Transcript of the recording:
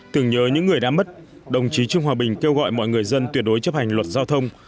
tưởng nhớ những người đã mất đồng chí trương hòa bình kêu gọi mọi người dân tuyệt đối chấp hành luật giao thông